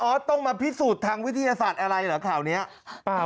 ออธต้องมาพิสูดทางวิทิยาศาตร์อะไรเหรอข่าวเนี้ยเปล่า